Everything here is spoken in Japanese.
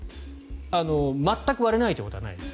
全く割れないということはないです。